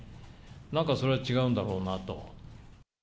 なんか、それは違うんだろうなと。